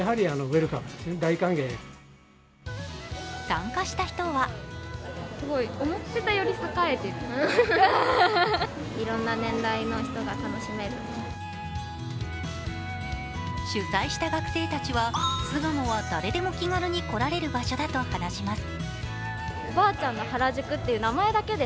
参加した人は主催した学生たちは、巣鴨は誰でも気軽に来られる場所だと話します。